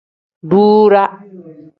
Duuraa.